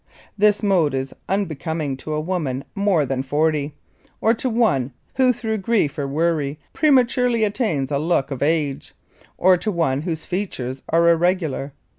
This mode is unbecoming to a woman more than forty; or, to one who through grief or worry prematurely attains a look of age, or to one whose features are irregular.